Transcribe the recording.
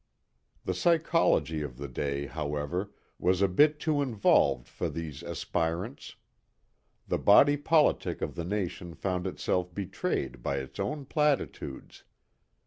The psychology of the day, however, was a bit too involved for these aspirants. The body politic of the nation found itself betrayed by its own platitudes.